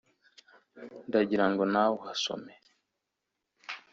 ndagirango nawe uhasome